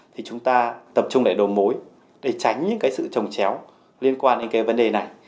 thì chúng ta tập trung lại đồ mối để tránh những sự trồng chéo liên quan đến vấn đề này